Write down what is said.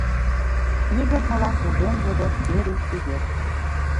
— игылтмыла пужен йодо Фери Фӱзеш.